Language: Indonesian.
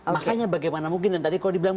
makanya bagaimana mungkin yang tadi kalau dibilang